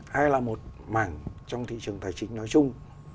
hay là một mảng trong thị trường tài chính nói chung